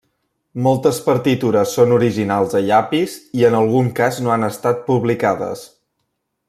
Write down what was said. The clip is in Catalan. Moltes partitures són originals a llapis i en algun cas no han estat publicades.